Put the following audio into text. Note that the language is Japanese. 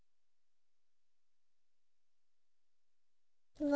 うわ。